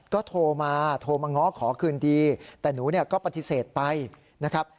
ก็โทรมาโทรมาง้อขอคืนดีแต่หนูเนี่ยก็ปฏิเสธไปนะครับ